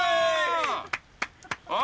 あ！